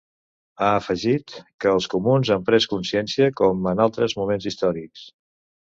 Ha afegit que els comuns han pres consciència com en altres moments històrics.